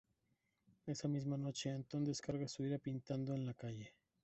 Esa misma noche Anton descarga su ira pintando en la calle.